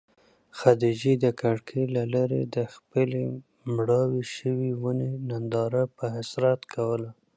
خدیجې د کړکۍ له لارې د خپلې مړاوې شوې ونې ننداره په حسرت کوله.